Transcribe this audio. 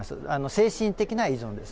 精神的な依存です。